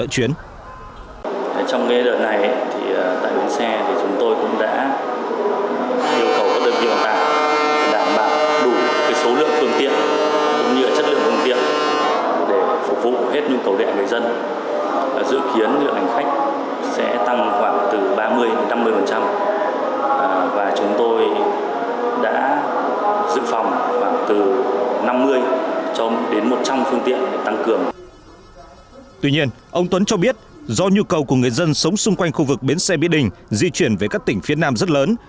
tuy nhiên ông tuấn cho biết do nhu cầu của người dân sống xung quanh khu vực bến xe biết đình di chuyển về các tỉnh phía nam rất lớn